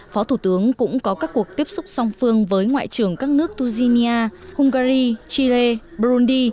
phó thủ tướng cũng có các cuộc tiếp xúc song phương với ngoại trưởng các nước tuzinia hungary chile burundi